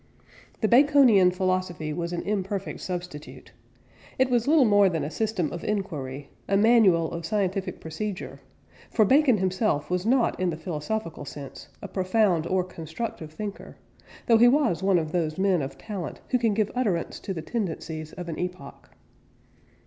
The Baconian philosophy was an imperfect substitute; it was little more than a system of enquiry, a manual of scientific procedure, for Bacon himself was not in the philosophical sense a profound or constructive thinker, though he was one of those men of talent who can give utterance to the tendencies of an epoch.